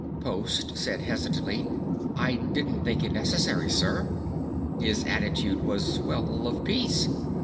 Post said hesitantly, "I didn't think it necessary, sir. His attitude was well, of peace.